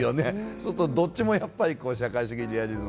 そうするとどっちもやっぱり社会主義リアリズムがあって。